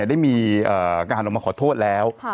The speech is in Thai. ได้มีการออกมาขอโทษแล้ว